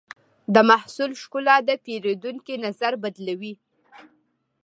د محصول ښکلا د پیرودونکي نظر بدلونوي.